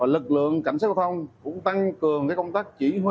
lực lượng cảnh sát giao thông cũng tăng cường công tác chỉ huy